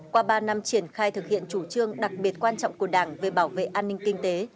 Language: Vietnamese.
qua ba năm triển khai thực hiện chủ trương đặc biệt quan trọng của đảng về bảo vệ an ninh kinh tế